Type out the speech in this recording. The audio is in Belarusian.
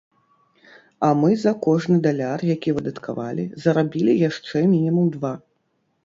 А мы за кожны даляр, які выдаткавалі, зарабілі яшчэ мінімум два.